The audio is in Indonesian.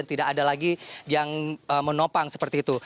tidak ada lagi yang menopang seperti itu